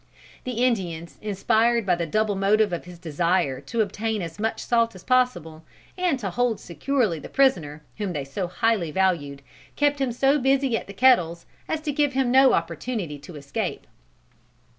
The Indians, inspired by the double motive of the desire to obtain as much salt as possible, and to hold securely the prisoner, whom they so highly valued, kept him so busy at the kettles as to give him no opportunity to escape.